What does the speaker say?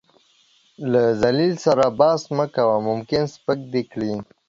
له ذليل سره بحث مه کوه ، ممکن سپک دې کړي .